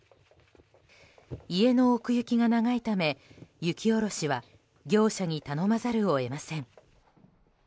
家の奥行きが長いため雪下ろしは業者に頼まざるを得ません。